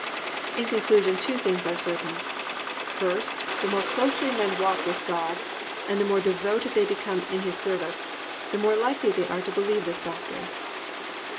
In conclusion, two things are certain. First, the more closely men walk with God and the more devoted they become in His service, the more likely they are to believe this doctrine.